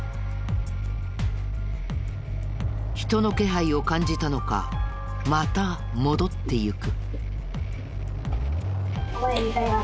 人の気配を感じたのかまた戻ってゆく。